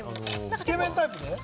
つけ麺タイプ？